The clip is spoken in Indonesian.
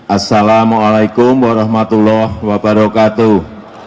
assalamu'alaikum warahmatullahi wabarakatuh